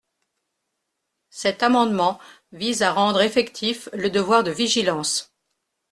Cet amendement vise à rendre effectif le devoir de vigilance.